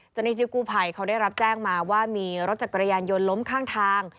เจ้าหน้าที่กู้ภัยเขาได้รับแจ้งมาว่ามีรถจักรยานยนต์ล้มข้างทาง